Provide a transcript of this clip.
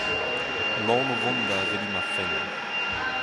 Emaon o vont da aveliñ ma fenn.